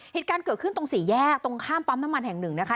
เหตุการณ์เกิดขึ้นตรงสี่แยกตรงข้ามปั๊มน้ำมันแห่งหนึ่งนะคะ